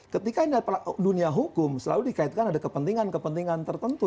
ketika ini adalah dunia hukum selalu dikaitkan ada kepentingan kepentingan tertentu